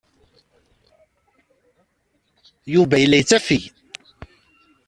Yuba yella yettafeg.